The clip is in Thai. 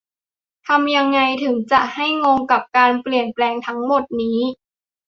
ทำยังไงถึงจะให้งง กับ การเปลี่ยนแปลงทั้งหมดนี้